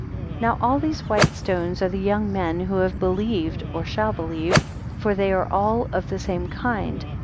254 Now all these white stones are the young men who have believed, or shall believe; for they are all of the same kind.